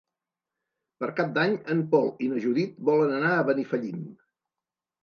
Per Cap d'Any en Pol i na Judit volen anar a Benifallim.